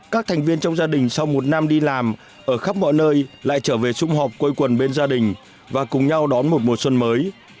các thành viên trong gia đình sau một năm đi làm ở khắp mọi nơi lại trở về xung họp quây quần bên gia đình và cùng nhau đón một mùa xuân mới